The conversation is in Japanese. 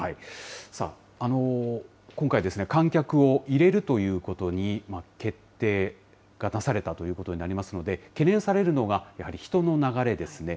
さあ、今回、観客を入れるということに、決定がなされたということになりますので、懸念されるのがやはり人の流れですね。